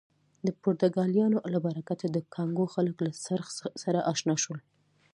د پرتګالیانو له برکته د کانګو خلک له څرخ سره اشنا شول.